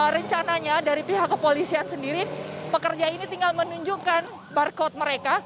rencananya dari pihak kepolisian sendiri pekerja ini tinggal menunjukkan barcode mereka